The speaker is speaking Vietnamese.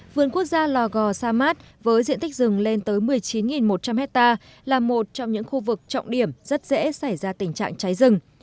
vườn quốc gia lò gò sa mát với diện tích rừng lên tới một mươi chín một trăm linh hectare là một trong những khu vực trọng điểm rất dễ xảy ra tình trạng cháy rừng